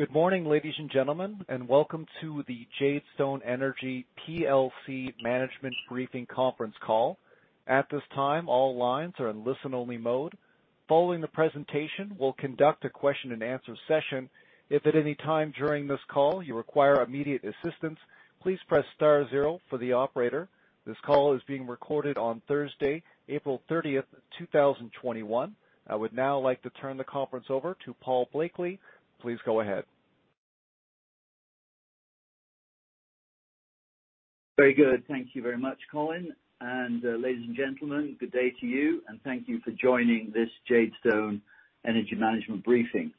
Good morning, ladies and gentlemen, and welcome to the Jadestone Energy PLC Management Briefing Conference Call. At this time, all lines are in listen-only mode. Following the presentation, we'll conduct a question and answer session. If at any time during this call you require immediate assistance, please press star zero for the operator. This call is being recorded on Thursday, April 30th, 2021. I would now like to turn the conference over to Paul Blakeley. Please go ahead. Very good. Thank you very much, Colin. Ladies and gentlemen, good day to you, and thank you for joining this Jadestone Energy Management briefing,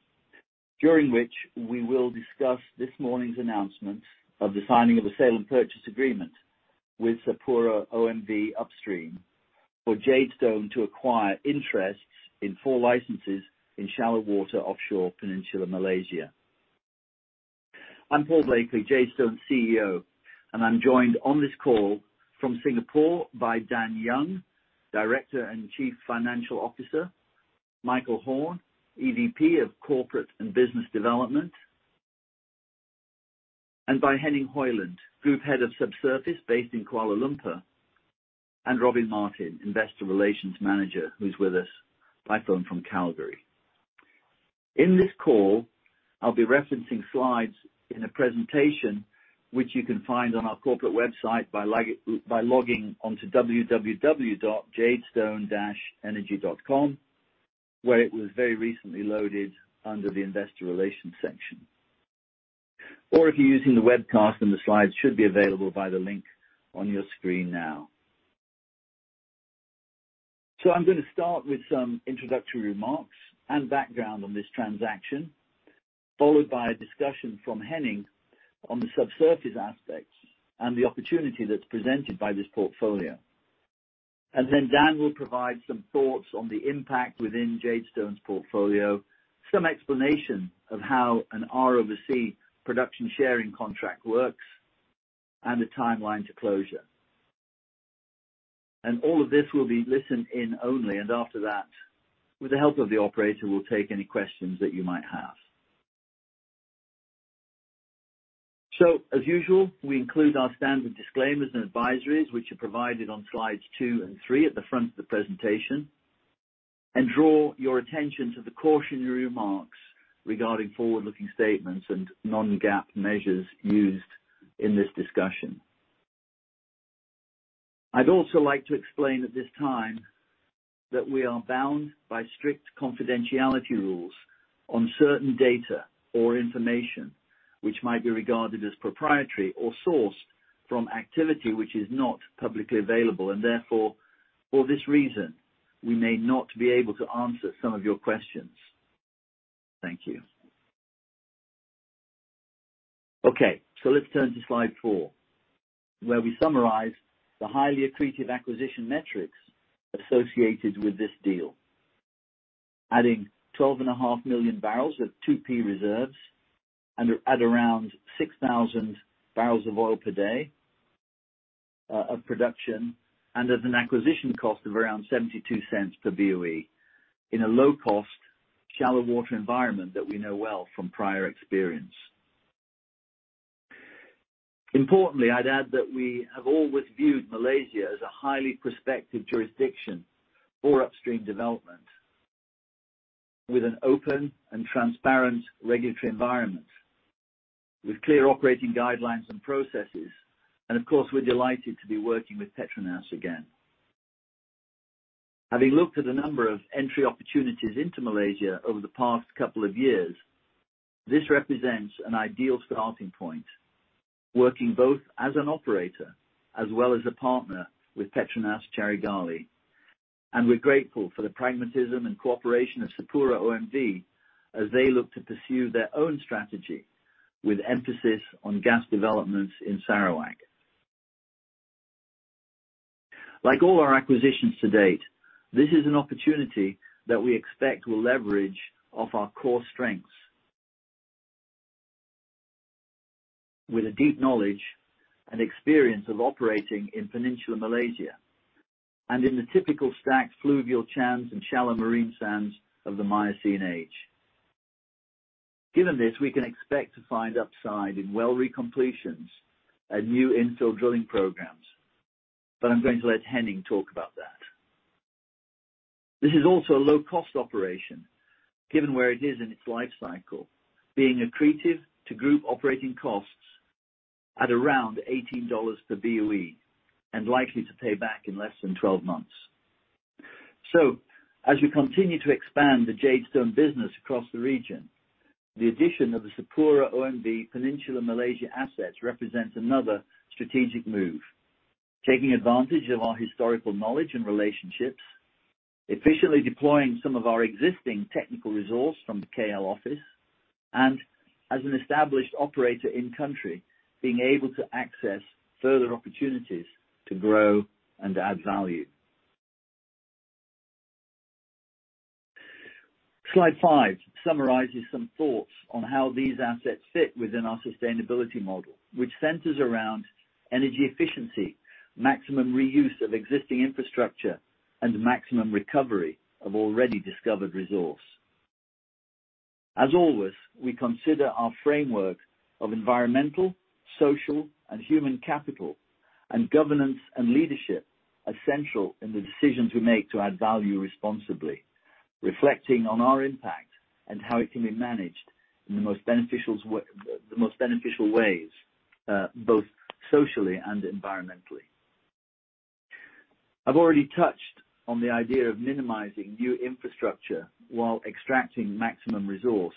during which we will discuss this morning's announcement of the signing of a sale and purchase agreement with SapuraOMV Upstream for Jadestone to acquire interests in four licenses in shallow water offshore Peninsular Malaysia. I'm Paul Blakeley, Jadestone's CEO, and I'm joined on this call from Singapore by Dan Young, Director and Chief Financial Officer, Michael Horn, EVP of Corporate and Business Development, and by Henning Hoeyland, Group Head of Subsurface based in Kuala Lumpur, and Robin Martin, Investor Relations Manager, who's with us by phone from Calgary. In this call, I'll be referencing slides in a presentation which you can find on our corporate website by logging on to www.jadestone-energy.com, where it was very recently loaded under the investor relations section. If you're using the webcast, the slides should be available via the link on your screen now. I'm going to start with some introductory remarks and background on this transaction, followed by a discussion from Henning on the subsurface aspects and the opportunity that's presented by this portfolio. Dan will provide some thoughts on the impact within Jadestone Energy's portfolio, some explanation of how an R/C production sharing contract works, and a timeline to closure. All of this will be listen in only, and after that, with the help of the operator, we'll take any questions that you might have. As usual, we include our standard disclaimers and advisories, which are provided on slides two and three at the front of the presentation, and draw your attention to the cautionary remarks regarding forward-looking statements and non-GAAP measures used in this discussion. I'd also like to explain at this time that we are bound by strict confidentiality rules on certain data or information which might be regarded as proprietary or sourced from activity which is not publicly available. Therefore, for this reason, we may not be able to answer some of your questions. Thank you. Okay, let's turn to slide four, where we summarize the highly accretive acquisition metrics associated with this deal. Adding 12.5 million barrels of 2P reserves and at around 6,000 barrels of oil per day of production, and at an acquisition cost of around $0.72 per BOE in a low-cost, shallow water environment that we know well from prior experience. Importantly, I'd add that we have always viewed Malaysia as a highly prospective jurisdiction for upstream development with an open and transparent regulatory environment, with clear operating guidelines and processes. Of course, we're delighted to be working with PETRONAS again. Having looked at a number of entry opportunities into Malaysia over the past couple of years, this represents an ideal starting point, working both as an operator as well as a partner with PETRONAS Carigali. We're grateful for the pragmatism and cooperation of SapuraOMV as they look to pursue their own strategy with emphasis on gas developments in Sarawak. Like all our acquisitions to date, this is an opportunity that we expect will leverage off our core strengths. With a deep knowledge and experience of operating in Peninsular Malaysia, and in the typical stacked fluvial channels and shallow marine sands of the Miocene age. Given this, we can expect to find upside in well recompletions and new infill drilling programs. I'm going to let Henning talk about that. This is also a low-cost operation given where it is in its life cycle, being accretive to group operating costs at around $18 per BOE and likely to pay back in less than 12 months. As we continue to expand the Jadestone business across the region, the addition of the SapuraOMV Peninsular Malaysia assets represents another strategic move, taking advantage of our historical knowledge and relationships, efficiently deploying some of our existing technical resource from the KL office, and as an established operator in country, being able to access further opportunities to grow and to add value. Slide five summarizes some thoughts on how these assets fit within our sustainability model, which centers around energy efficiency, maximum reuse of existing infrastructure and maximum recovery of already discovered resource. As always, we consider our framework of environmental, social, and human capital, and governance and leadership essential in the decisions we make to add value responsibly, reflecting on our impact and how it can be managed in the most beneficial ways, both socially and environmentally. I've already touched on the idea of minimizing new infrastructure while extracting maximum resource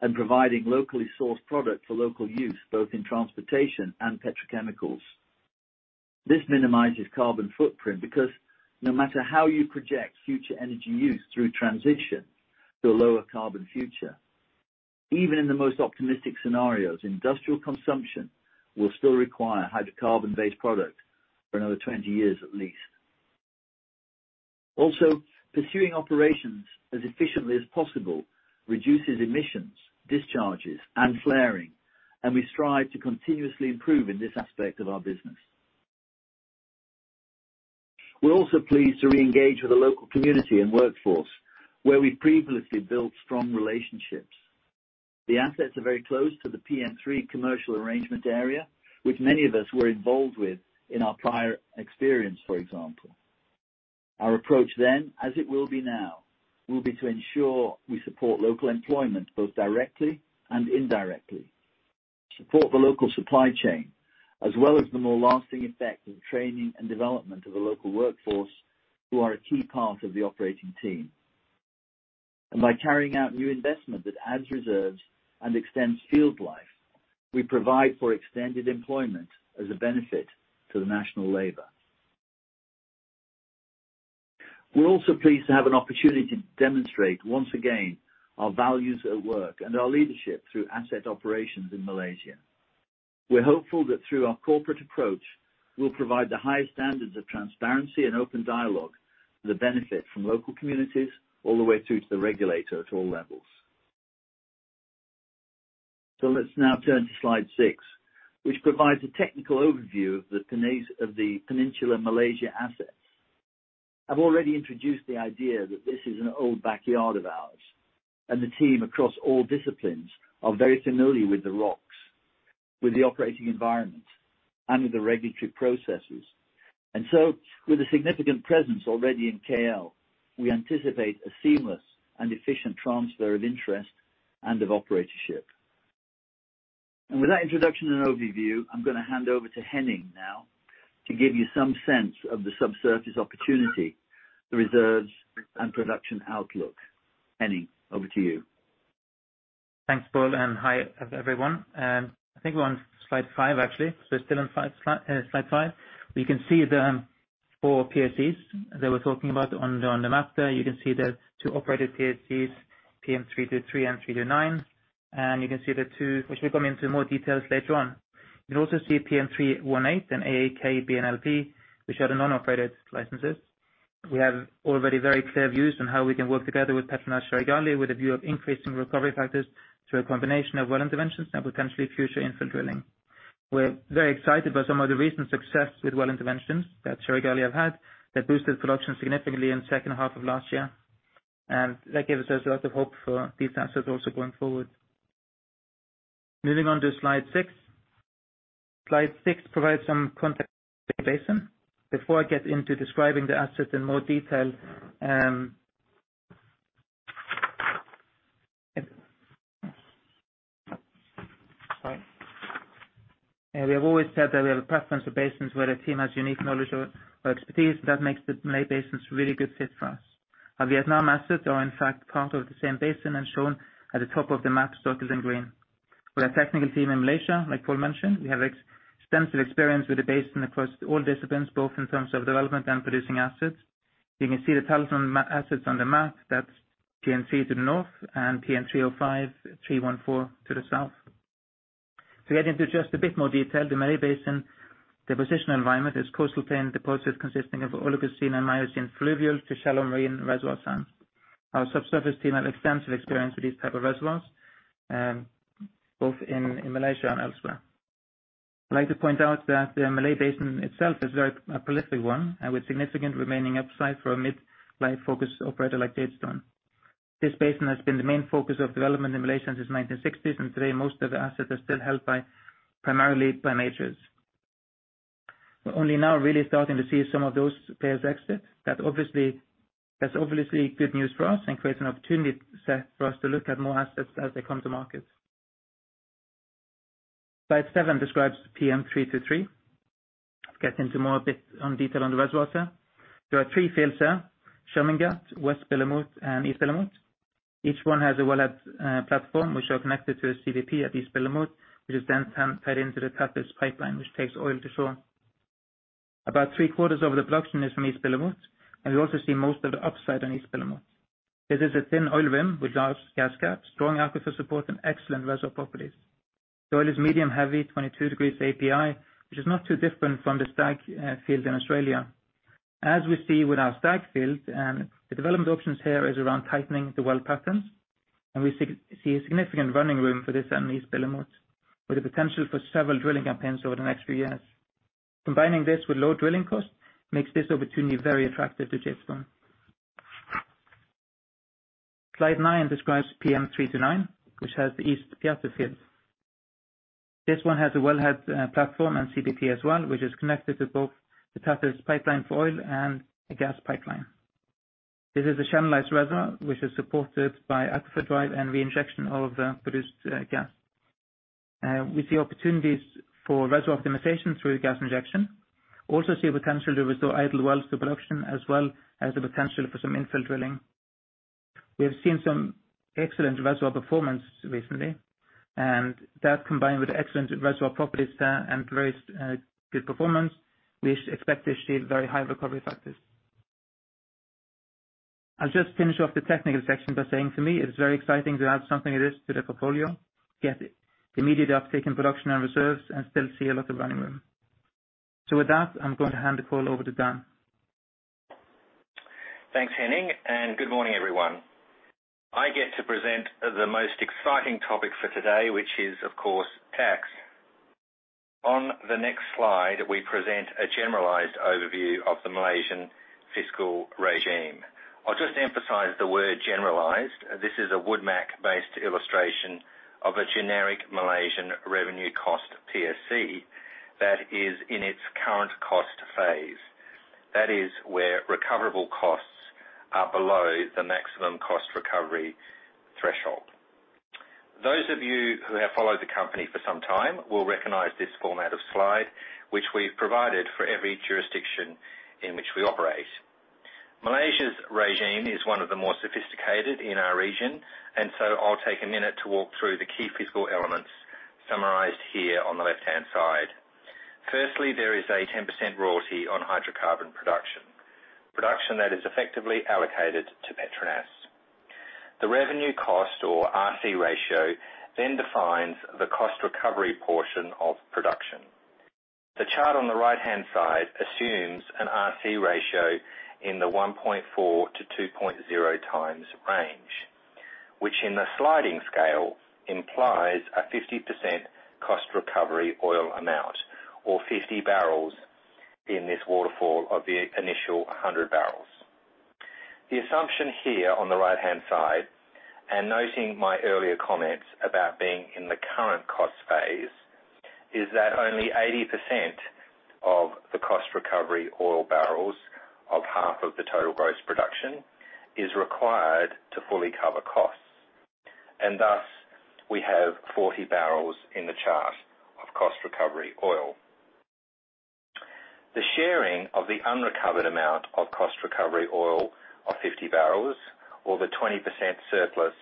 and providing locally sourced product for local use, both in transportation and petrochemicals. This minimizes carbon footprint because no matter how you project future energy use through transition to a lower carbon future, even in the most optimistic scenarios, industrial consumption will still require hydrocarbon-based product for another 20 years at least. Also, pursuing operations as efficiently as possible reduces emissions, discharges, and flaring, and we strive to continuously improve in this aspect of our business. We're also pleased to re-engage with the local community and workforce where we've previously built strong relationships. The assets are very close to the PM3 Commercial Arrangement Area, which many of us were involved with in our prior experience, for example. Our approach then, as it will be now, will be to ensure we support local employment both directly and indirectly, support the local supply chain, as well as the more lasting effect of training and development of the local workforce who are a key part of the operating team. By carrying out new investment that adds reserves and extends field life, we provide for extended employment as a benefit to the national labor. We're also pleased to have an opportunity to demonstrate, once again, our values at work and our leadership through asset operations in Malaysia. We're hopeful that through our corporate approach, we'll provide the highest standards of transparency and open dialogue for the benefit from local communities all the way through to the regulator at all levels. Let's now turn to slide six, which provides a technical overview of the Peninsular Malaysia assets. I've already introduced the idea that this is an old backyard of ours, and the team across all disciplines are very familiar with the rocks, with the operating environment, and with the regulatory processes. With a significant presence already in KL, we anticipate a seamless and efficient transfer of interest and of operatorship. With that introduction and overview, I'm going to hand over to Henning now to give you some sense of the subsurface opportunity, the reserves, and production outlook. Henning, over to you. Thanks, Paul. Hi everyone. I think we are on slide five, actually. We are still on slide five. We can see the four PSCs that we are talking about on the map there. You can see the two operated PSCs, PM323 and PM329. You can see the two, which we will come into more details later on. You can also see PM318 and AAKBNLP, which are the non-operated licenses. We have already very clear views on how we can work together with PETRONAS Carigali with a view of increasing recovery factors through a combination of well interventions and potentially future infill drilling. We are very excited by some of the recent success with well interventions that Carigali have had that boosted production significantly in second half of last year, and that gives us a lot of hope for these assets also going forward. Moving on to slide six. Slide six provides some context to the basin. Before I get into describing the assets in more detail Sorry. We have always said that we have a preference for basins where a team has unique knowledge or expertise. That makes the Malay Basins a really good fit for us. Our Vietnam assets are in fact part of the same basin and shown at the top of the map circled in green. With our technical team in Malaysia, like Paul mentioned, we have extensive experience with the basin across all disciplines, both in terms of development and producing assets. You can see the Talisman assets on the map. That's PM3 to the north and PM3-05, 3-14 to the south. To get into just a bit more detail, the Malay Basin deposition environment is coastal plain deposits consisting of Oligocene and Miocene fluvial to shallow marine reservoir sands. Our subsurface team have extensive experience with these type of reservoirs, both in Malaysia and elsewhere. I'd like to point out that the Malay Basin itself is a very prolific one and with significant remaining upside for a mid-life-focused operator like Jadestone. This basin has been the main focus of development in Malaysia since 1960s. Today most of the assets are still held primarily by majors. We're only now really starting to see some of those players exit. That's obviously good news for us and creates an opportunity set for us to look at more assets as they come to market. Slide seven describes PM323. Let's get into more bit on detail on the reservoir. There are three fields there, Chermingat, West Belumut, and East Belumut. Each one has a wellhead platform which are connected to a CPP at East Belumut, which is then tied into the Tapis pipeline, which takes oil to shore. About three-quarters of the production is from East Belumut. We also see most of the upside on East Belumut. This is a thin oil rim without gas cap, strong aquifer support, and excellent reservoir properties. The oil is medium heavy, 22 degrees API, which is not too different from the Stag fields in Australia. As we see with our Stag fields, the development options here is around tightening the well patterns. We see a significant running room for this and East Belumut with the potential for several drilling campaigns over the next few years. Combining this with low drilling costs makes this opportunity very attractive to Jadestone. Slide nine describes PM329, which has the East Piatu field. This one has a wellhead platform and CPP as well, which is connected to both the Tapis pipeline for oil and a gas pipeline. This is a channelized reservoir, which is supported by aquifer drive and reinjection of the produced gas. We see opportunities for reservoir optimization through gas injection. See potential to restore idle wells to production, as well as the potential for some infill drilling. We have seen some excellent reservoir performance recently, that combined with excellent reservoir properties there and very good performance, we expect to achieve very high recovery factors. I'll just finish off the technical section by saying to me, it's very exciting to add something of this to the portfolio, get immediate uptake in production and reserves, still see a lot of running room. With that, I'm going to hand the call over to Dan. Thanks, Henning. Good morning, everyone. I get to present the most exciting topic for today, which is, of course, tax. On the next slide, we present a generalized overview of the Malaysian fiscal regime. I'll just emphasize the word generalized. This is a WoodMac-based illustration of a generic Malaysian revenue cost PSC that is in its current cost phase. That is where recoverable costs are below the maximum cost recovery threshold. Those of you who have followed the company for some time will recognize this format of slide, which we've provided for every jurisdiction in which we operate. Malaysia's regime is one of the more sophisticated in our region, and so I'll take a minute to walk through the key fiscal elements summarized here on the left-hand side. Firstly, there is a 10% royalty on hydrocarbon production. Production that is effectively allocated to PETRONAS. The revenue cost or RC ratio defines the cost recovery portion of production. The chart on the right-hand side assumes an RC ratio in the 1.4x to 2.0x range, which in the sliding scale implies a 50% cost recovery oil amount or 50 barrels in this waterfall of the initial 100 barrels. The assumption here on the right-hand side, and noting my earlier comments about being in the current cost phase, is that only 80% of the cost recovery oil barrels of half of the total gross production is required to fully cover costs, and thus, we have 40 barrels in the chart of cost recovery oil. The sharing of the unrecovered amount of cost recovery oil of 50 barrels or the 20% surplus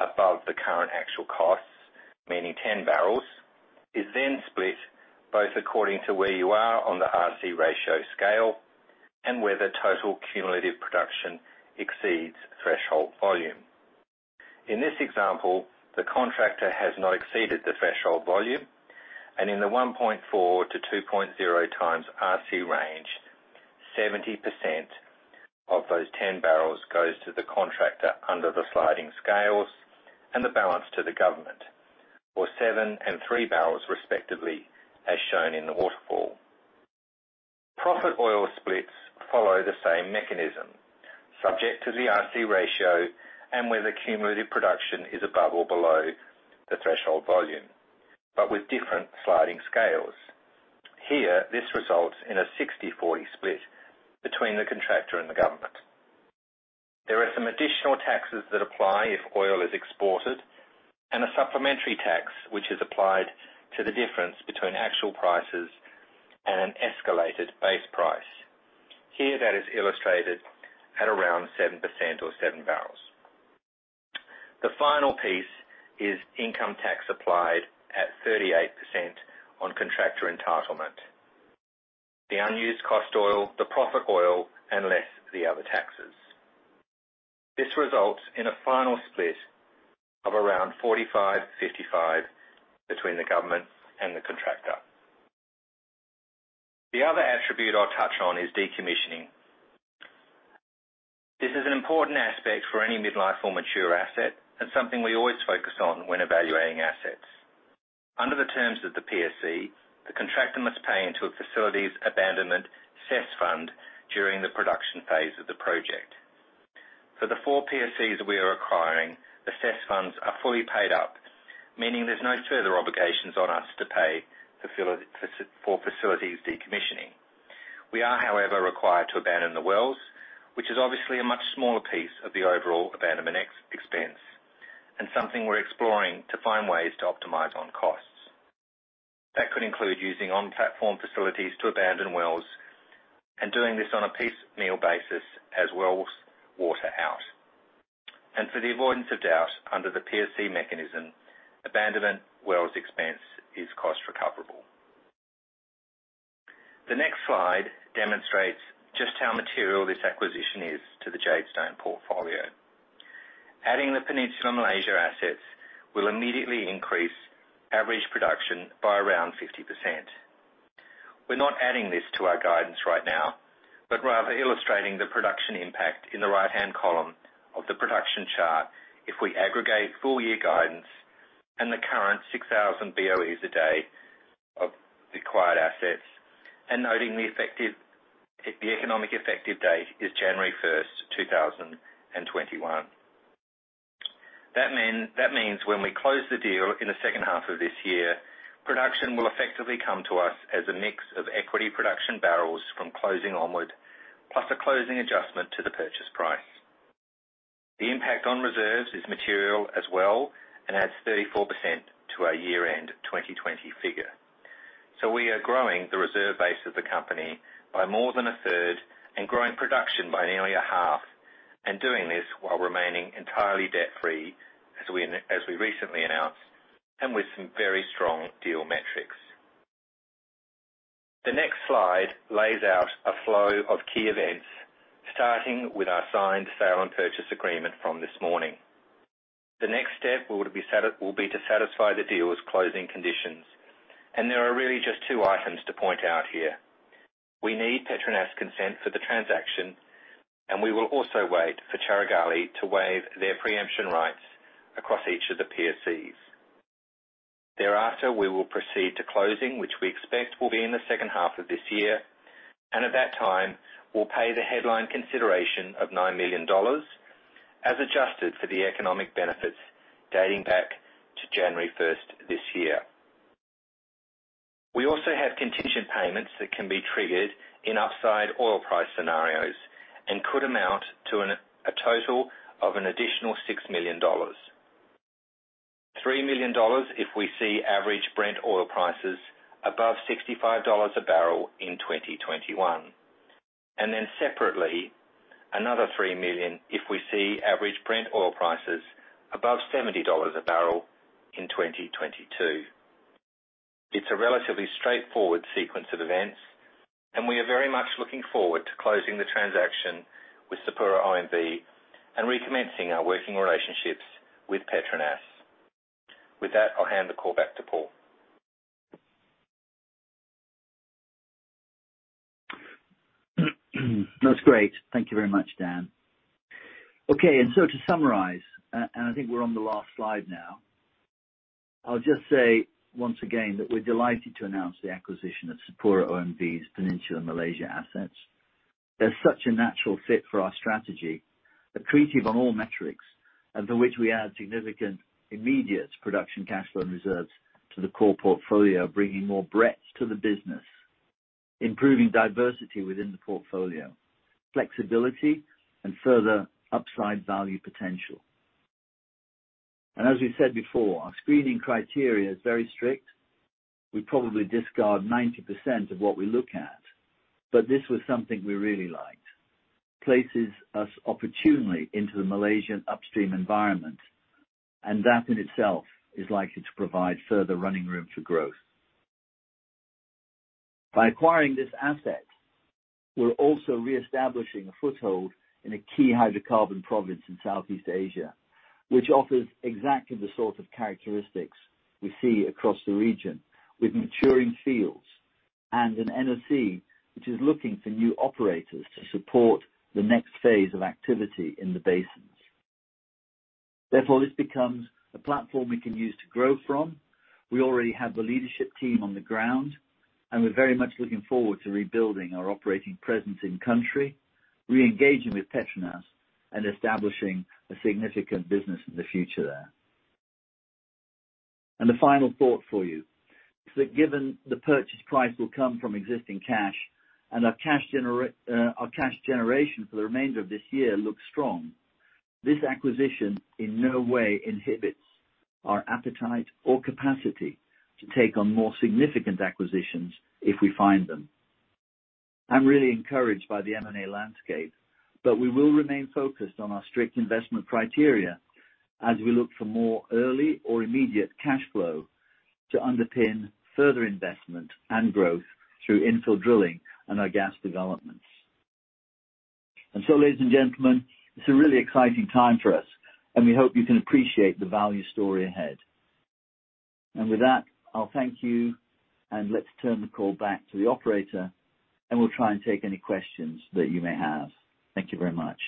above the current actual costs, meaning 10 barrels, is then split both according to where you are on the RC ratio scale and where the total cumulative production exceeds threshold volume. In this example, the contractor has not exceeded the threshold volume, and in the 1.4x to 2.0x RC range, 70% of those 10 barrels goes to the contractor under the sliding scales and the balance to the government, or seven and three barrels respectively, as shown in the waterfall. Profit oil splits follow the same mechanism subject to the RC ratio and where the cumulative production is above or below the threshold volume, but with different sliding scales. Here, this results in a 60/40 split between the contractor and the government. There are some additional taxes that apply if oil is exported and a supplementary tax which is applied to the difference between actual prices and an escalated base price. Here that is illustrated at around 7% or seven barrels. The final piece is income tax applied at 38% on contractor entitlement. The unused cost oil, the profit oil, and less the other taxes. This results in a final split of around 45/55 between the government and the contractor. The other attribute I'll touch on is decommissioning. This is an important aspect for any midlife or mature asset and something we always focus on when evaluating assets. Under the terms of the PSC, the contractor must pay into a facilities abandonment cess fund during the production phase of the project. For the four PSCs we are acquiring, the cess funds are fully paid up, meaning there's no further obligations on us to pay for facilities decommissioning. We are, however, required to abandon the wells, which is obviously a much smaller piece of the overall abandonment expense, and something we're exploring to find ways to optimize on costs. That could include using on-platform facilities to abandon wells and doing this on a piecemeal basis as wells water out. For the avoidance of doubt, under the PSC mechanism, abandonment wells expense is cost recoverable. The next slide demonstrates just how material this acquisition is to the Jadestone portfolio. Adding the Peninsular Malaysia assets will immediately increase average production by around 50%. We're not adding this to our guidance right now, but rather illustrating the production impact in the right-hand column of the production chart if we aggregate full-year guidance and the current 6,000 BOEs a day of the acquired assets, and noting the economic effective date is January 1st, 2021. That means when we close the deal in the second half of this year, production will effectively come to us as a mix of equity production barrels from closing onward, plus a closing adjustment to the purchase price. The impact on reserves is material as well and adds 34% to our year-end 2020 figure. We are growing the reserve base of the company by more than a third and growing production by nearly a half, and doing this while remaining entirely debt-free, as we recently announced, and with some very strong deal metrics. The next slide lays out a flow of key events, starting with our signed sale and purchase agreement from this morning. The next step will be to satisfy the deal's closing conditions. There are really just two items to point out here. We need PETRONAS' consent for the transaction, and we will also wait for Carigali to waive their preemption rights across each of the PSCs. Thereafter, we will proceed to closing, which we expect will be in the second half of this year. At that time, we'll pay the headline consideration of $9 million as adjusted for the economic benefits dating back to January 1st this year. We also have contingent payments that can be triggered in upside oil price scenarios and could amount to a total of an additional $6 million. $3 million if we see average Brent oil prices above $65 a barrel in 2021. Separately, another $3 million if we see average Brent oil prices above $70 a barrel in 2022. It's a relatively straightforward sequence of events, and we are very much looking forward to closing the transaction with SapuraOMV and recommencing our working relationships with PETRONAS. With that, I'll hand the call back to Paul. That's great. Thank you very much, Dan. To summarize, I think we're on the last slide now. I'll just say, once again, that we're delighted to announce the acquisition of SapuraOMV's Peninsular Malaysia assets. They're such a natural fit for our strategy, accretive on all metrics, and for which we add significant immediate production cash flow and reserves to the core portfolio, bringing more breadth to the business, improving diversity within the portfolio, flexibility, and further upside value potential. As we've said before, our screening criteria is very strict. We probably discard 90% of what we look at. This was something we really liked. Places us opportunely into the Malaysian upstream environment, that in itself is likely to provide further running room for growth. By acquiring this asset, we're also reestablishing a foothold in a key hydrocarbon province in Southeast Asia, which offers exactly the sort of characteristics we see across the region, with maturing fields and an NOC which is looking for new operators to support the next phase of activity in the basins. Therefore, this becomes a platform we can use to grow from. We already have the leadership team on the ground, and we're very much looking forward to rebuilding our operating presence in-country, re-engaging with PETRONAS, and establishing a significant business in the future there. The final thought for you is that given the purchase price will come from existing cash and our cash generation for the remainder of this year looks strong, this acquisition in no way inhibits our appetite or capacity to take on more significant acquisitions if we find them. I'm really encouraged by the M&A landscape, but we will remain focused on our strict investment criteria as we look for more early or immediate cash flow to underpin further investment and growth through infill drilling and our gas developments. Ladies and gentlemen, it's a really exciting time for us, and we hope you can appreciate the value story ahead. With that, I'll thank you, and let's turn the call back to the operator, and we'll try and take any questions that you may have. Thank you very much.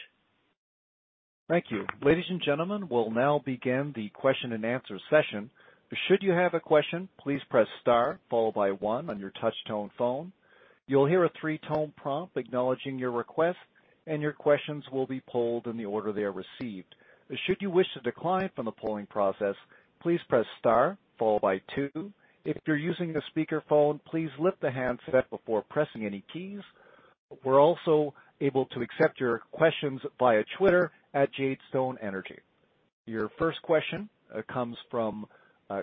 Your first question comes from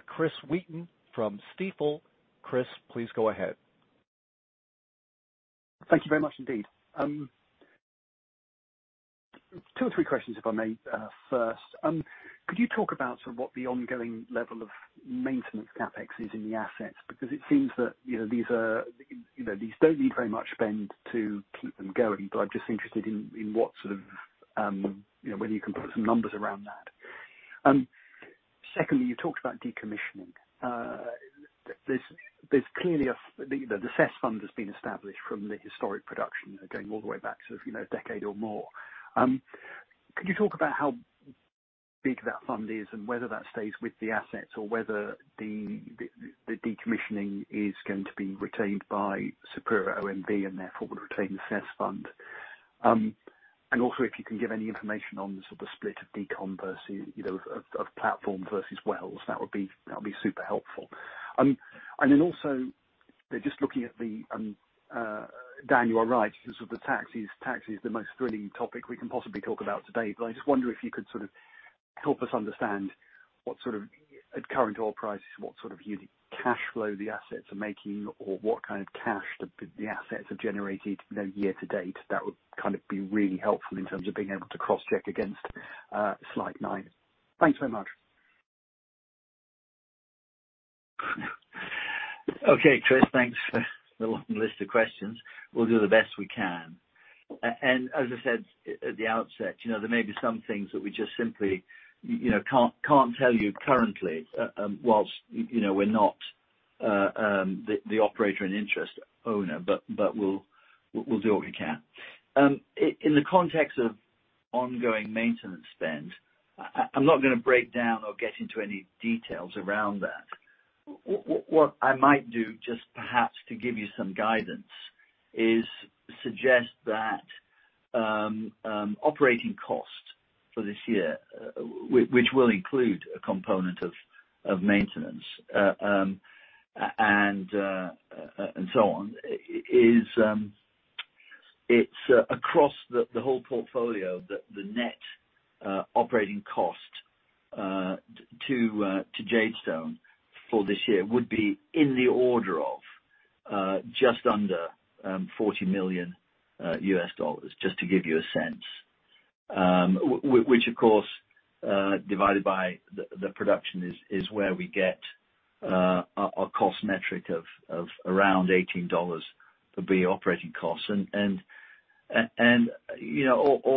Chris Wheaton from Stifel. Chris, please go ahead. Thank you very much indeed. Two or three questions, if I may first. Could you talk about sort of what the ongoing level of maintenance CapEx is in the assets? It seems that these don't need very much spend to keep them going, but I'm just interested in whether you can put some numbers around that. Secondly, you talked about decommissioning. There's clearly a cess fund has been established from the historic production going all the way back to a decade or more. Could you talk about how big that fund is and whether that stays with the assets or whether the decommissioning is going to be retained by SapuraOMV and therefore would retain the cess fund? Also, if you can give any information on the sort of split of decom versus platform versus wells, that would be super helpful. Also, just looking at the, Dan, you are right. Sort of the tax is the most thrilling topic we can possibly talk about today. I just wonder if you could sort of help us understand at current oil prices, what sort of unit cash flow the assets are making or what kind of cash the assets have generated year to date. That would be really helpful in terms of being able to cross-check against slide nine. Thanks very much. Okay, Chris. Thanks for the long list of questions. We'll do the best we can. As I said at the outset, there may be some things that we just simply can't tell you currently, whilst we're not the operator and interest owner, but we'll do what we can. In the context of ongoing maintenance spend, I'm not going to break down or get into any details around that. What I might do just perhaps to give you some guidance is suggest that operating cost for this year, which will include a component of maintenance and so on, is across the whole portfolio that the net operating cost to Jadestone for this year would be in the order of just under $40 million, just to give you a sense. Which, of course, divided by the production is where we get our cost metric of around $18 would be operating costs. All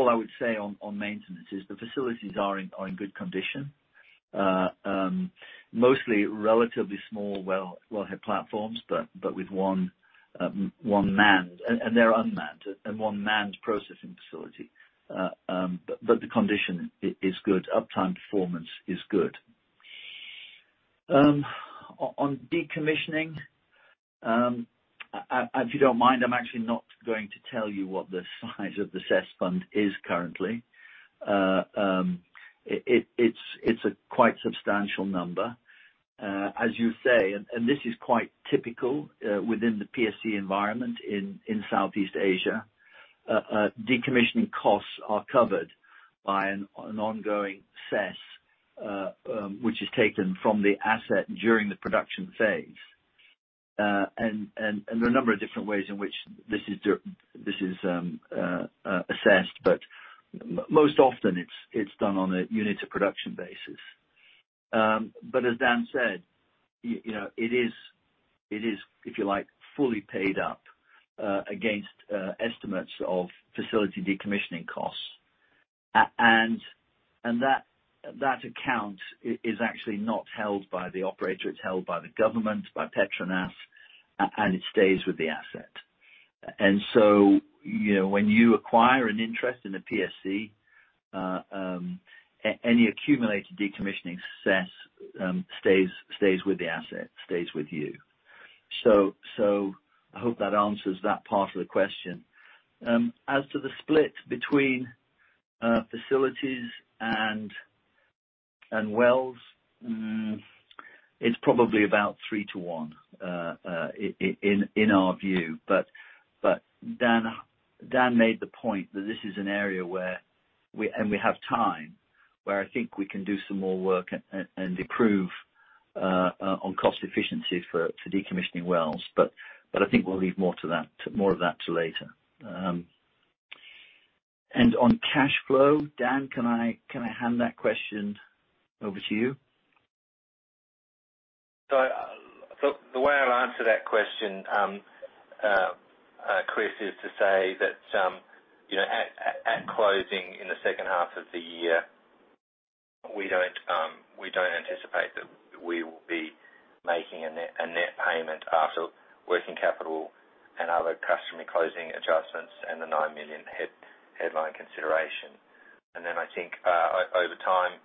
I would say on maintenance is the facilities are in good condition. Mostly relatively small wellhead platforms, but with one manned, and they're unmanned, and one manned processing facility. The condition is good. Uptime performance is good. On decommissioning, if you don't mind, I'm actually not going to tell you what the size of the cess fund is currently. It's a quite substantial number. As you say, and this is quite typical within the PSC environment in Southeast Asia. Decommissioning costs are covered by an ongoing cess which is taken from the asset during the production phase. There are a number of different ways in which this is assessed, but most often it's done on a units of production basis. As Dan said, it is, if you like, fully paid up against estimates of facility decommissioning costs. That account is actually not held by the operator. It's held by the government, by PETRONAS, and it stays with the asset. When you acquire an interest in a PSC, any accumulated decommissioning cess stays with the asset, stays with you. I hope that answers that part of the question. As to the split between facilities and wells, it's probably about three to one in our view. Dan made the point that this is an area where, and we have time, where I think we can do some more work and improve on cost efficiency for decommissioning wells. I think we'll leave more of that to later. On cash flow, Dan, can I hand that question over to you? The way I'll answer that question, Chris, is to say that at closing in the second half of the year, we don't anticipate that we will be making a net payment after working capital and other customary closing adjustments and the $9 million headline consideration. I think over time,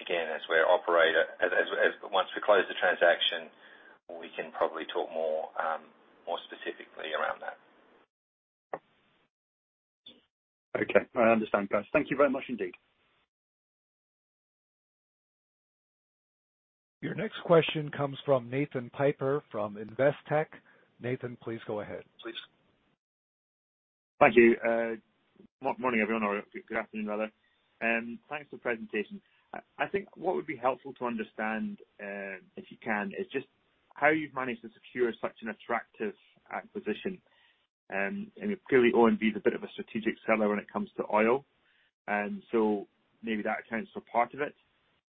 again, as we're operator, once we close the transaction, we can probably talk more specifically around that. Okay. I understand, guys. Thank you very much indeed. Your next question comes from Nathan Piper from Investec. Nathan, please go ahead. Please. Thank you. Morning, everyone, or good afternoon, rather. Thanks for the presentation. I think what would be helpful to understand, if you can, is just how you've managed to secure such an attractive acquisition. Clearly, OMV is a bit of a strategic seller when it comes to oil, and so maybe that accounts for part of it.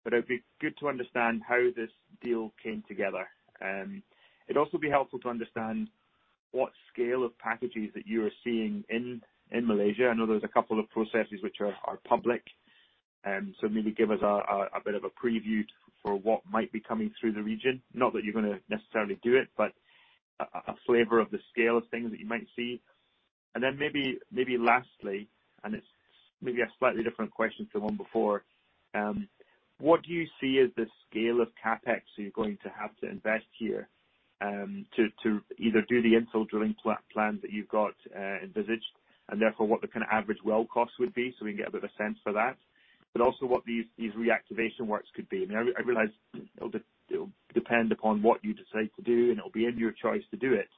It would be good to understand how this deal came together. It'd also be helpful to understand. What scale of packages that you are seeing in Malaysia? I know there's a couple of processes which are public, so maybe give us a bit of a preview for what might be coming through the region. Not that you're going to necessarily do it, but a flavor of the scale of things that you might see. Maybe lastly, and it's maybe a slightly different question to the one before, what do you see as the scale of CapEx that you're going to have to invest here, to either do the infill drilling plan that you've got envisaged, and therefore what the kind of average well cost would be, so we can get a bit of a sense for that. Also what these reactivation works could be. I realize it'll depend upon what you decide to do, and it'll be in your choice to do it.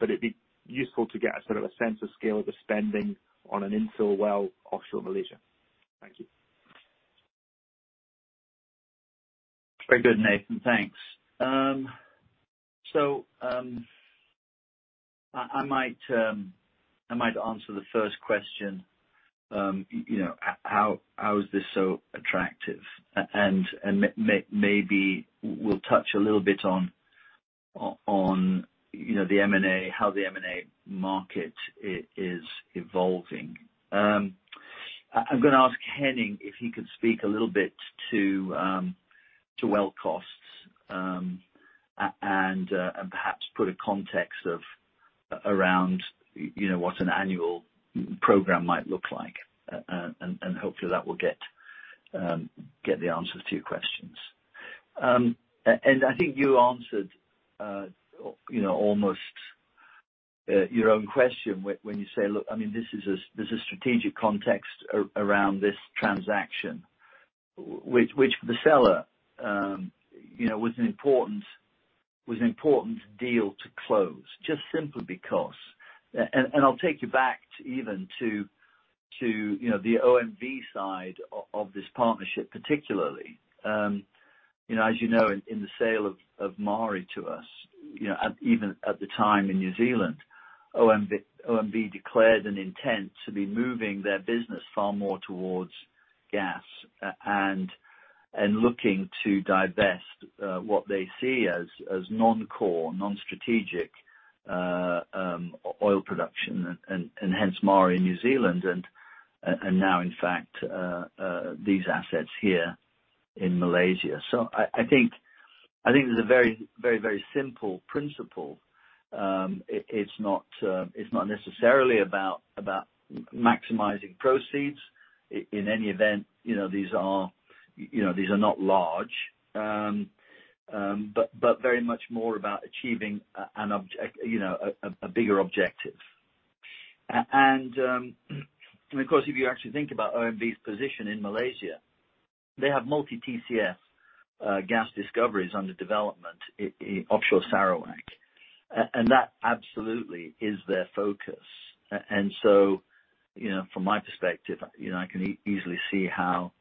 It'd be useful to get a sort of a sense of scale of the spending on an infill well offshore Malaysia. Thank you. Very good, Nathan. Thanks. I might answer the first question. How is this so attractive? Maybe we'll touch a little bit on the M&A, how the M&A market is evolving. I'm going to ask Henning if he could speak a little bit to well costs, and perhaps put a context of around what an annual program might look like. Hopefully that will get the answers to your questions. I think you answered almost your own question when you say, look, there's a strategic context around this transaction. Which for the seller, was an important deal to close, just simply because. I'll take you back even to the OMV side of this partnership, particularly. As you know, in the sale of Maari to us, even at the time in New Zealand, OMV declared an intent to be moving their business far more towards gas and looking to divest what they see as non-core, non-strategic oil production, and hence Maari in New Zealand, and now in fact these assets here in Malaysia. I think there's a very simple principle. It's not necessarily about maximizing proceeds. In any event, these are not large. Very much more about achieving a bigger objective. Of course, if you actually think about OMV's position in Malaysia, they have multi-Tcf gas discoveries under development in offshore Sarawak. That absolutely is their focus. From my perspective, I can easily see how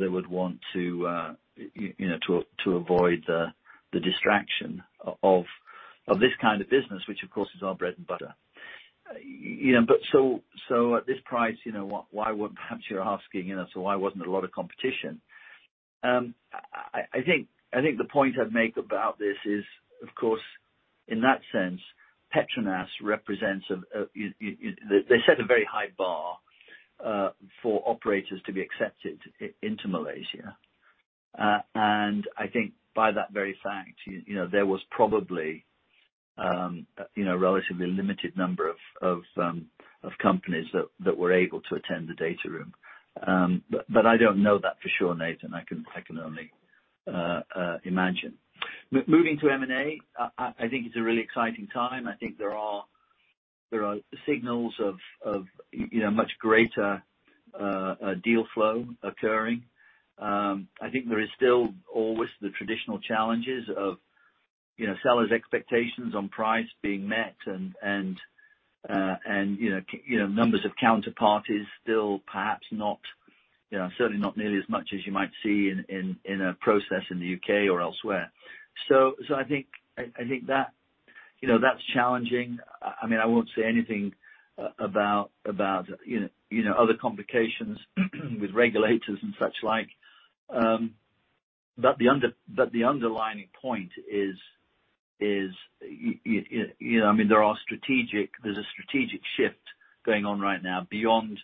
they would want to avoid the distraction of this kind of business, which of course is our bread and butter. At this price, perhaps you're asking, why wasn't there a lot of competition? I think the point I'd make about this is, of course, in that sense, PETRONAS represents They set a very high bar for operators to be accepted into Malaysia. I think by that very fact, there was probably relatively limited number of companies that were able to attend the data room. I don't know that for sure, Nathan, I can only imagine. Moving to M&A, I think it's a really exciting time. I think there are signals of much greater deal flow occurring. I think there is still always the traditional challenges of sellers' expectations on price being met and numbers of counterparties still perhaps not, certainly not nearly as much as you might see in a process in the U.K. or elsewhere. I think that's challenging. I won't say anything about other complications with regulators and such like. The underlying point is there's a strategic shift going on right now beyond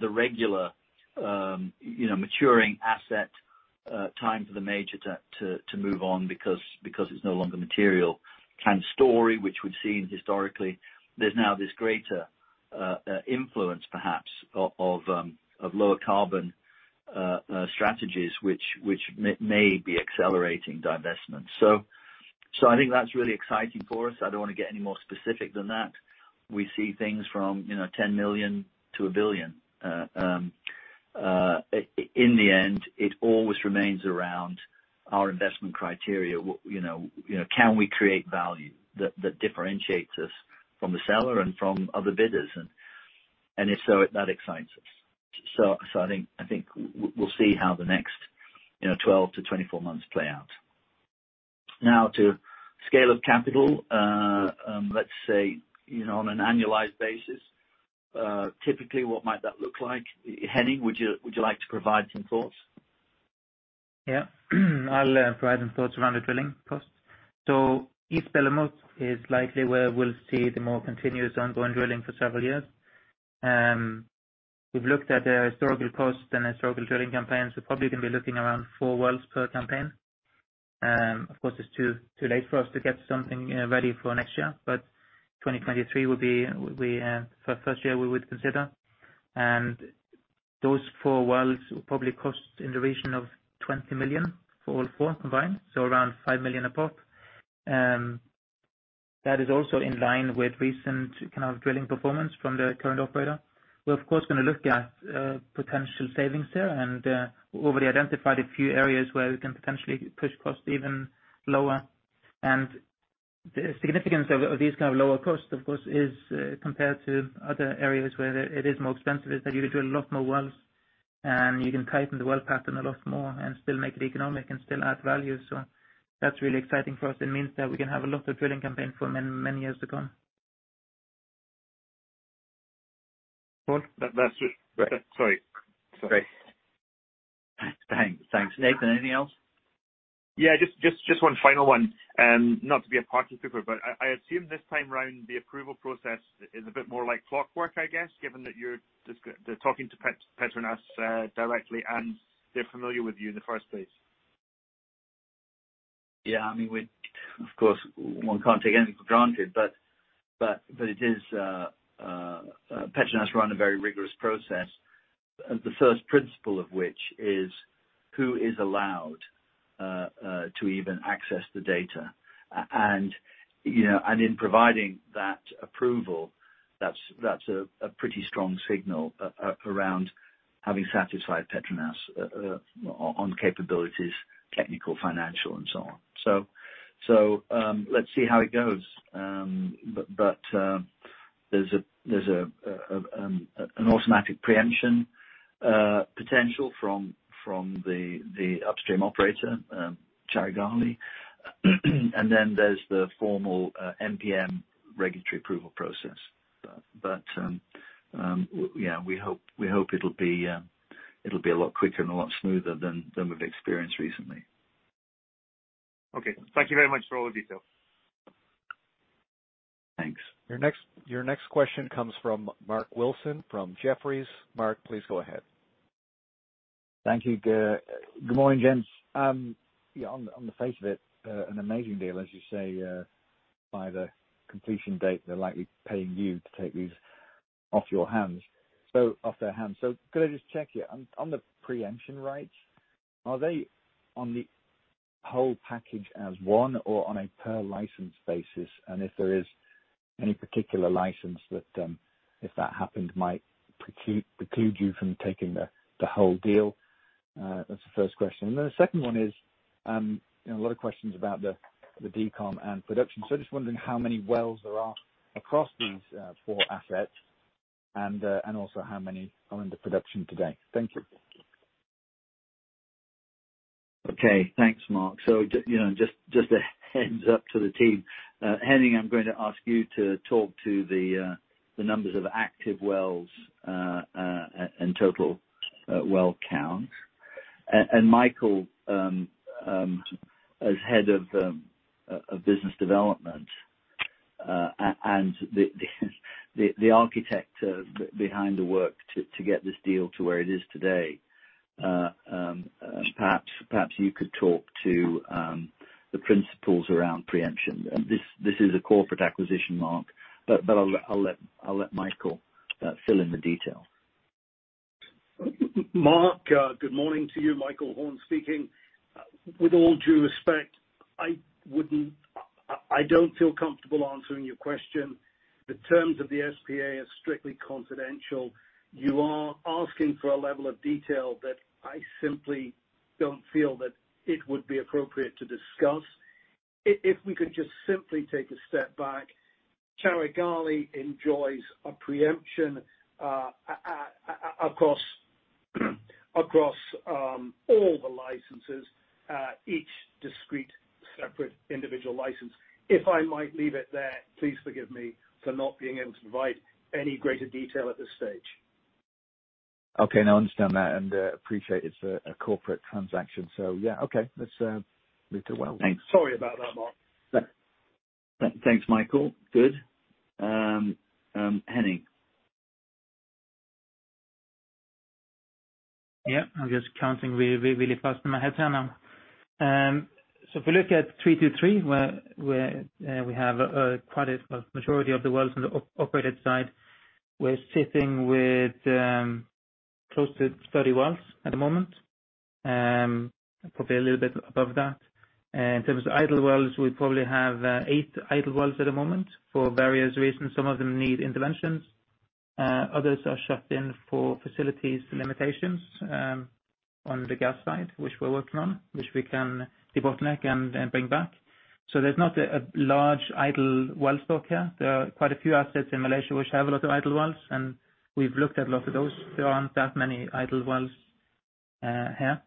the regular maturing asset time for the major to move on because it's no longer material kind of story, which we've seen historically. There's now this greater influence, perhaps, of lower carbon strategies which may be accelerating divestment. I think that's really exciting for us. I don't want to get any more specific than that. We see things from $10 million to $1 billion. In the end, it always remains around our investment criteria. Can we create value that differentiates us from the seller and from other bidders? If so, that excites us. I think we'll see how the next 12 to 24 months play out. Now to scale of capital. Let's say, on an annualized basis, typically, what might that look like? Henning, would you like to provide some thoughts? Yeah. I'll provide some thoughts around the drilling cost. East Belumut is likely where we'll see the more continuous ongoing drilling for several years. We've looked at the historical costs and historical drilling campaigns. We're probably going to be looking around four wells per campaign. Of course, it's too late for us to get something ready for next year, but 2023 will be the first year we would consider. Those four wells will probably cost in the region of $20 million for all four combined, so around $5 million a pop. That is also in line with recent drilling performance from the current operator. We're of course going to look at potential savings there, and we already identified a few areas where we can potentially push costs even lower. The significance of these kind of lower costs, of course, is compared to other areas where it is more expensive, is that you can drill a lot more wells, and you can tighten the well pattern a lot more and still make it economic and still add value. That's really exciting for us. It means that we can have a lot of drilling campaign for many years to come. That's it. Sorry. It's okay. Thanks. Nathan, anything else? Yeah, just one final one. Not to be a party pooper, but I assume this time around the approval process is a bit more like clockwork, I guess, given that you're talking to PETRONAS directly, and they're familiar with you in the first place. Yeah. Of course, one can't take anything for granted, but PETRONAS run a very rigorous process, the first principle of which is who is allowed to even access the data. In providing that approval, that's a pretty strong signal around having satisfied PETRONAS on capabilities, technical, financial, and so on. Let's see how it goes. There's an automatic preemption potential from the upstream operator, Carigali. There's the formal MPM regulatory approval process. We hope it'll be a lot quicker and a lot smoother than we've experienced recently. Okay. Thank you very much for all the detail. Thanks. Your next question comes from Mark Wilson, from Jefferies. Mark, please go ahead. Thank you. Good morning, gents. On the face of it, an amazing deal, as you say, by the completion date, they're likely paying you to take these off your hands. Could I just check here? On the preemption rights, are they on the whole package as one or on a per license basis? If there is any particular license that if that happened, might preclude you from taking the whole deal? That's the first question. The second one is, a lot of questions about the decom and production. I'm just wondering how many wells there are across these four assets and also how many are under production today. Thank you. Okay. Thanks, Mark. Just a heads up to the team. Henning, I'm going to ask you to talk to the numbers of active wells and total well count. Michael, as head of business development and the architect behind the work to get this deal to where it is today, perhaps you could talk to the principles around preemption. This is a corporate acquisition, Mark, but I'll let Michael fill in the detail. Mark, good morning to you. Michael Horn speaking. With all due respect, I don't feel comfortable answering your question. The terms of the SPA are strictly confidential. You are asking for a level of detail that I simply don't feel that it would be appropriate to discuss. If we could just simply take a step back, Carigali enjoys a preemption across all the licenses, each discrete, separate individual license. If I might leave it there, please forgive me for not being able to provide any greater detail at this stage. Okay. No, I understand that and appreciate it's a corporate transaction. Yeah, okay. Let's move to well. Thanks. Sorry about that, Mark. Thanks, Michael. Good. Henning. Yeah. I'm just counting really fast in my head here now. If we look at PM323, where we have a majority of the wells on the operated side, we're sitting with close to 30 wells at the moment, probably a little bit above that. In terms of idle wells, we probably have eight idle wells at the moment for various reasons. Some of them need interventions. Others are shut in for facilities limitations on the gas side, which we're working on, which we can debottleneck and bring back. There's not a large idle well stock here. There are quite a few assets in Malaysia which have a lot of idle wells, and we've looked at a lot of those. There aren't that many idle wells here.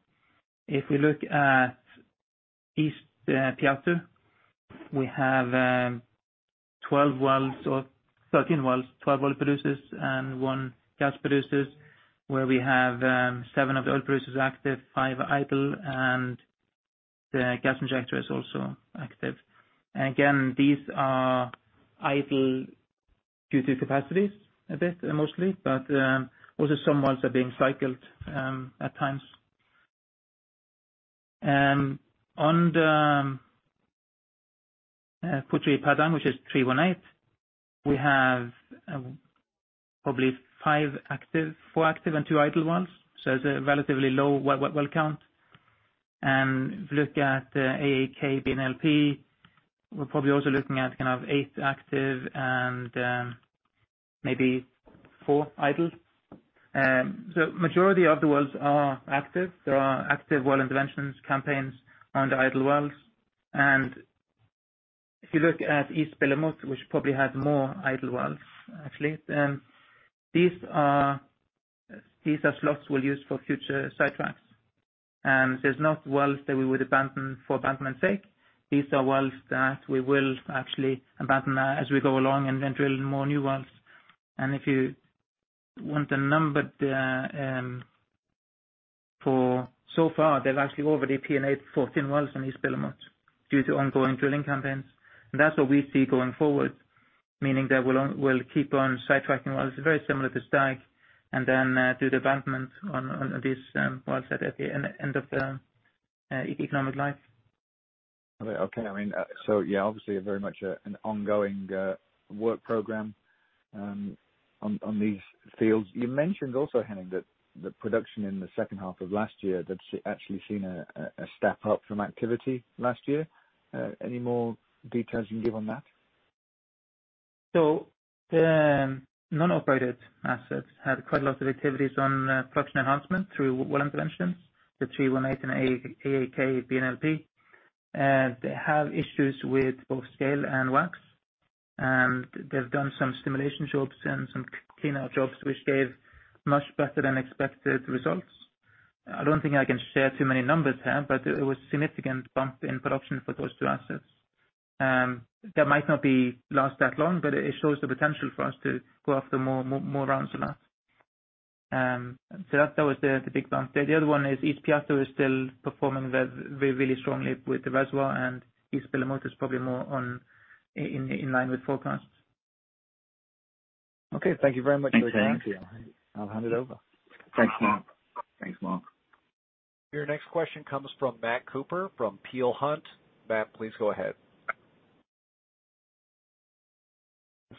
East Piatu. We have 12 wells, or 13 wells, 12 oil producers and one gas producer, where we have seven of the oil producers active, five idle, and the gas injector is also active. These are idle due to capacities a bit, mostly, but also some wells are being cycled at times. On the Puteri-Padang, which is 318, we have probably four active and two idle wells, it's a relatively low well count. If you look at AAKBNLP, we're probably also looking at eight active and maybe four idle. The majority of the wells are active. There are active well interventions campaigns on the idle wells. If you look at East Belumut, which probably has more idle wells, actually, these are slots we'll use for future sidetracks. There's not wells that we would abandon for abandonment sake. These are wells that we will actually abandon as we go along and then drill more new wells. If you want a number, so far they've actually already P&A'd 14 wells in East Belumut due to ongoing drilling campaigns. That's what we see going forward, meaning that we'll keep on sidetracking wells, very similar to Stag, and then do the abandonment on these wells at the end of the economic life. Okay. Yeah, obviously very much an ongoing work program on these fields. You mentioned also, Henning, that the production in the second half of last year had actually seen a step up from activity last year. Any more details you can give on that? The non-operated assets had quite a lot of activities on production enhancement through well interventions, the PM318 and AAKBNLP. They have issues with both scale and wax. They've done some stimulation jobs and some cleanout jobs, which gave much better than expected results. I don't think I can share too many numbers here, but it was a significant bump in production for those two assets. That might not last that long, but it shows the potential for us to go after more rounds on that. That was the big bump there. The other one is East Piatu is still performing really strongly with the reservoir, and East Belumut is probably more in line with forecasts. Okay. Thank you very much for your time. Thanks. I'll hand it over. Thanks, Mark. Your next question comes from Matt Cooper from Peel Hunt. Matt, please go ahead.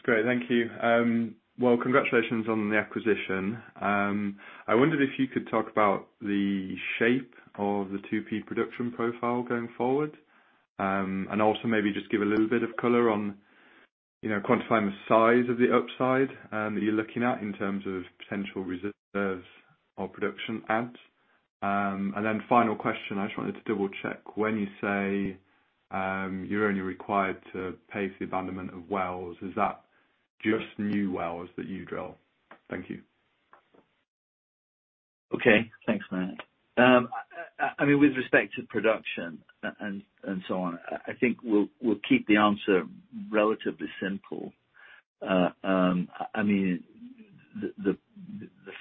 That's great. Thank you. Well, congratulations on the acquisition. I wondered if you could talk about the shape of the 2P production profile going forward, and also maybe just give a little bit of color on quantifying the size of the upside that you're looking at in terms of potential reserves or production adds. Final question, I just wanted to double-check when you say you're only required to pay for the abandonment of wells, is that just new wells that you drill? Thank you. Okay. Thanks, Matt. With respect to production and so on, I think we'll keep the answer relatively simple. The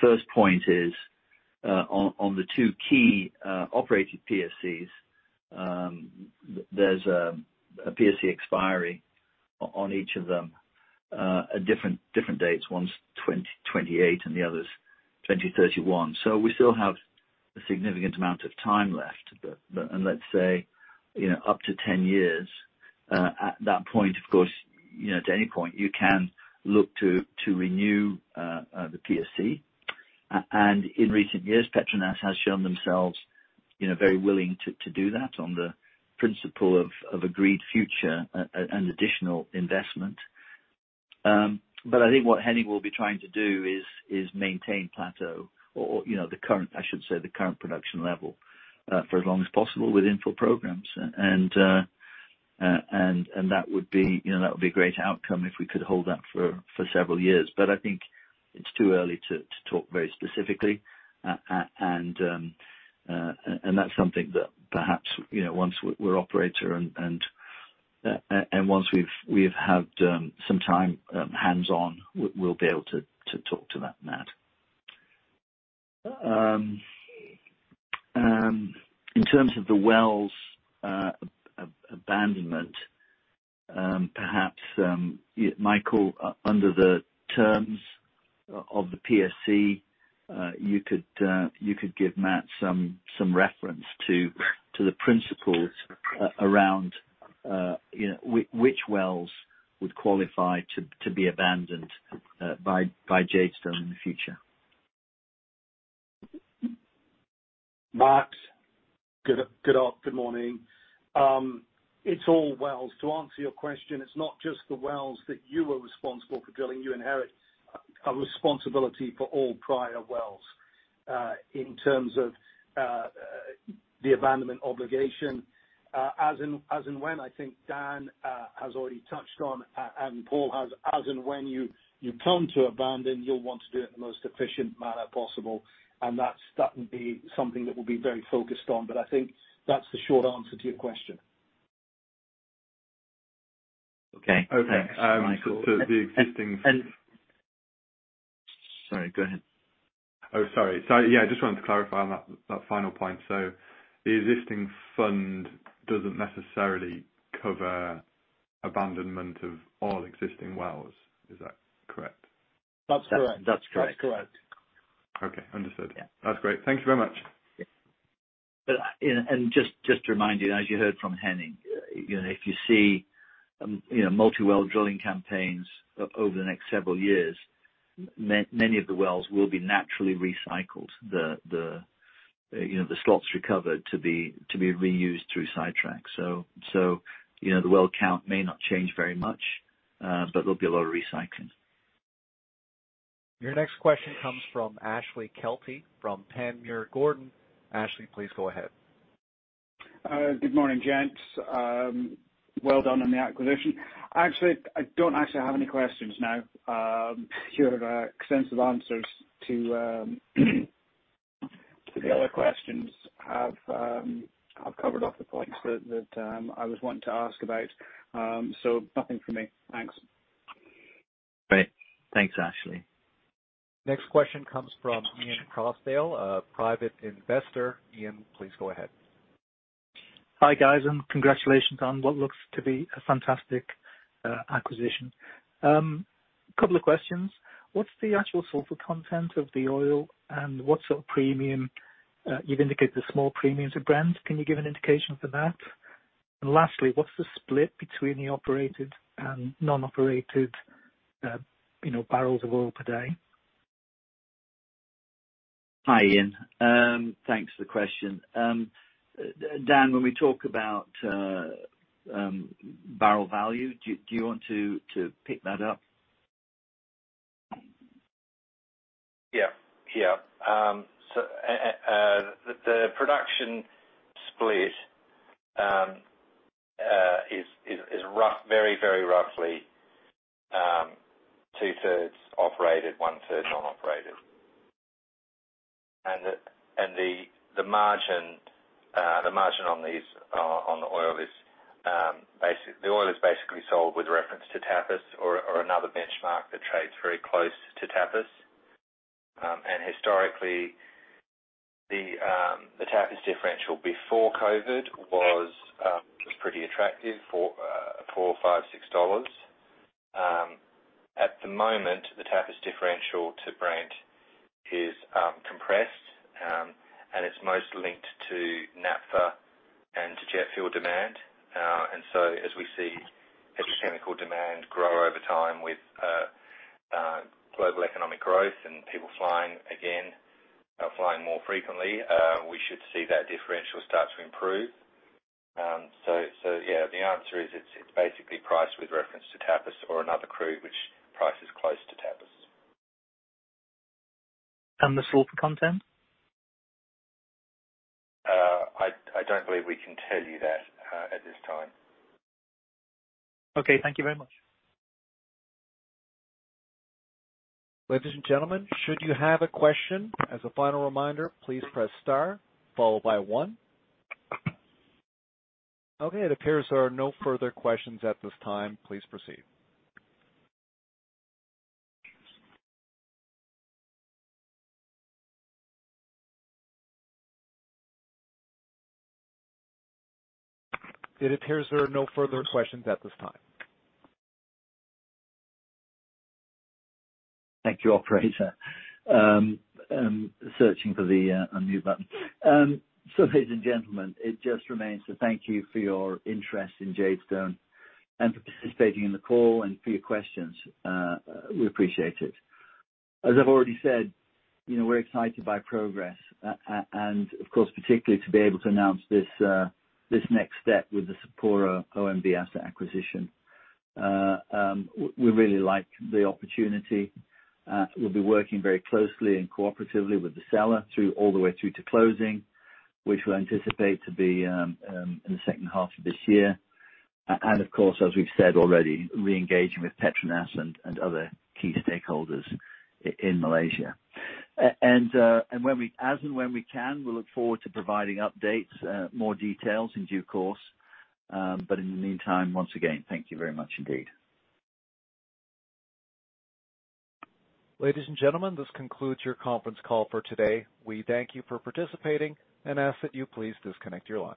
first point is, on the two key operated PSCs, there's a PSC expiry on each of them at different dates. One's 2028, the other's 2031. We still have a significant amount of time left, and let's say up to 10 years. At that point, of course, to any point, you can look to renew the PSC. In recent years, PETRONAS has shown themselves very willing to do that on the principle of agreed future and additional investment. I think what Henning will be trying to do is maintain plateau, or I should say, the current production level for as long as possible with infill programs. That would be a great outcome if we could hold that for several years. I think it's too early to talk very specifically. That's something that perhaps once we're operator and once we've had some time hands-on, we'll be able to talk to that, Matt. In terms of the wells abandonment, perhaps, Michael, under the terms of the PSC, you could give Matt some reference to the principles around which wells would qualify to be abandoned by Jadestone in the future. Matt, good morning. It's all wells. To answer your question, it's not just the wells that you are responsible for drilling. You inherit a responsibility for all prior wells in terms of the abandonment obligation. I think Dan has already touched on, and Paul has, as and when you come to abandon, you'll want to do it in the most efficient manner possible, and that will be something that we'll be very focused on. I think that's the short answer to your question. Okay. Thanks, Michael. Okay. Sorry, go ahead. Oh, sorry. Yeah, I just wanted to clarify on that final point. The existing fund doesn't necessarily cover abandonment of all existing wells. Is that correct? That's correct. That's correct. That's correct. Okay. Understood. Yeah. That's great. Thank you very much. Yeah. Just to remind you, as you heard from Henning, if you see multi-well drilling campaigns over the next several years, many of the wells will be naturally recycled. The slots recovered to be reused through sidetracks. The well count may not change very much, but there'll be a lot of recycling. Your next question comes from Ashley Kelty from Panmure Gordon. Ashley, please go ahead. Good morning, gents. Well done on the acquisition. Actually, I don't actually have any questions now. You have extensive answers to the other questions have covered off the points that I was wanting to ask about. Nothing from me. Thanks. Great. Thanks, Ashley. Next question comes from Ian Crossdale, a private investor. Ian, please go ahead. Hi, guys, and congratulations on what looks to be a fantastic acquisition. Couple of questions. What's the actual sulfur content of the oil, and what sort of premium? You've indicated the small premiums of Brent. Can you give an indication for that? Lastly, what's the split between the operated and non-operated barrels of oil per day? Hi, Ian. Thanks for the question. Dan, when we talk about barrel value, do you want to pick that up? The production split is very roughly two-thirds operated, one-third non-operated. The margin on the oil is basically sold with reference to Tapis or another benchmark that trades very close to Tapis. Historically, the Tapis differential before COVID was pretty attractive for $4, $5, $6. At the moment, the Tapis differential to Brent is compressed, and it's most linked to naphtha and to jet fuel demand. As we see petrochemical demand grow over time with global economic growth and people flying again, flying more frequently, we should see that differential start to improve. The answer is it's basically priced with reference to Tapis or another crude, which price is close to Tapis. The sulfur content? I don't believe we can tell you that at this time. Okay. Thank you very much. Ladies and gentlemen, should you have a question, as a final reminder, please press star followed by one. Okay, it appears there are no further questions at this time. Please proceed. It appears there are no further questions at this time. Thank you, operator. Searching for the unmute button. Ladies and gentlemen, it just remains to thank you for your interest in Jadestone and for participating in the call and for your questions. We appreciate it. As I've already said, we're excited by progress and of course, particularly to be able to announce this next step with the SapuraOMV asset acquisition. We really like the opportunity. We'll be working very closely and cooperatively with the seller all the way through to closing, which we anticipate to be in the second half of this year. And of course, as we've said already, re-engaging with PETRONAS and other key stakeholders in Malaysia. As and when we can, we look forward to providing updates, more details in due course. In the meantime, once again, thank you very much indeed. Ladies and gentlemen, this concludes your conference call for today. We thank you for participating and ask that you please disconnect your lines.